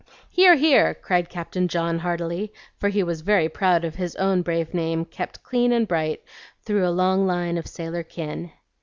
"Hear! hear!" cried Captain John, heartily; for he was very proud of his own brave name kept clean and bright through a long line of sailor kin.